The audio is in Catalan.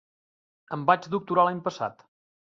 Em vaig doctorar l'any passat.